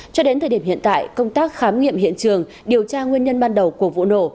cho đến thời điểm hiện tại công tác khám nghiệm hiện trường điều tra nguyên nhân ban đầu của vụ nổ